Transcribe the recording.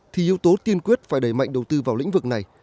thì yếu tố tiên quyết phải đẩy mạnh đầu tư vào lĩnh vực này